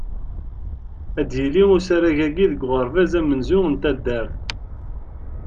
Ad yili usarag-agi deg uɣerbaz amenzu n taddart.